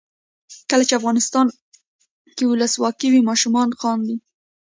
کله چې افغانستان کې ولسواکي وي ماشومان خاندي.